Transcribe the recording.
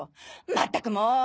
まったくもう！